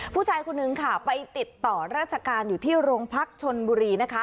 ผู้ชายคนนึงค่ะไปติดต่อราชการอยู่ที่โรงพักชนบุรีนะคะ